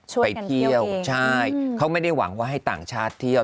ไปเที่ยวใช่เขาไม่ได้หวังว่าให้ต่างชาติเที่ยว